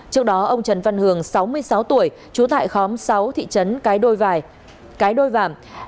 trước đó ông trần văn hường sáu mươi sáu tuổi chú tại khóm sáu thị trấn cái đôi vảm